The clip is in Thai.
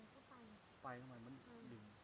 ไปข้างมามันดึง